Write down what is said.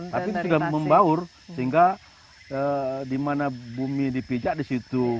tapi juga membaur sehingga di mana bumi dipijak di situ